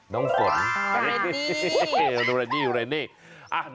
น้องฝนเห้ยเห้ยเห้ยเห้ยเห้ยเห้ยเห้ยเห้ยเห้ย